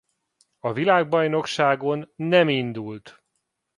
A világbajnokságon nem indult.